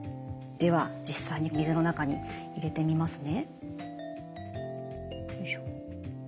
では実際に水の中に入れてみますね。